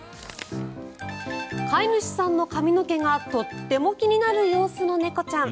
飼い主さんの髪の毛がとっても気になる様子の猫ちゃん。